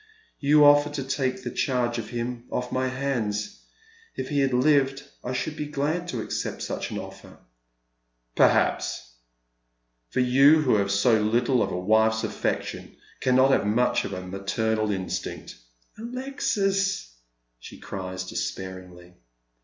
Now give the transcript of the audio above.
You offer to take the charge of him off my hands. If he bad lived I should be glad to accept such an offer." " Perhaps, for you who have so little of a wife's affection cannot have much of the maternal instinct." " Alexis !" she cries, despairingly.